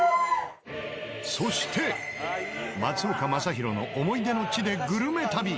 そして松岡昌宏の思い出の地でグルメ旅